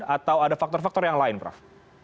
atau ada faktor faktor yang lain prof